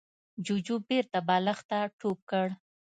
جوجو بېرته بالښت ته ټوپ کړ.